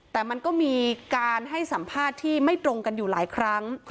แต่มันก็มีการให้สัมภาษณ์ที่ไม่ตรงกันอยู่หลายครั้ง